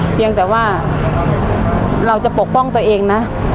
เพียงแต่ว่าเราจะปกป้องตัวเองนะ